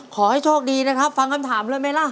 ขอให้โชคดีนะครับฟังคำถามเลยไหมล่ะ